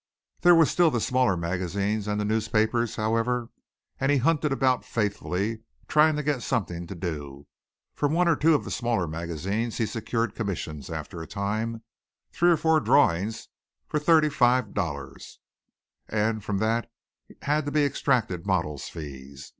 There were still the smaller magazines and the newspapers, however, and he hunted about faithfully, trying to get something to do. From one or two of the smaller magazines, he secured commissions, after a time, three or four drawings for thirty five dollars; and from that had to be extracted models' fees.